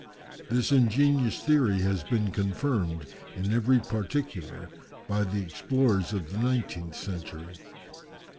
This ingenious theory has been confirmed in every particular by the explorers of the 19th century.